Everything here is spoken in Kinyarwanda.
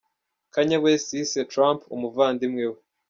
Kanye West yise Trump umuvandimwe we.